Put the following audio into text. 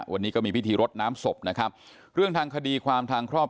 วันนี้ก็มีพิธีรดน้ำศพนะครับเรื่องทางคดีความทางครอบครัว